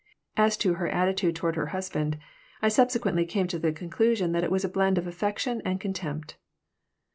As to her attitude toward her husband, I subsequently came to the conclusion that it was a blend of affection and contempt.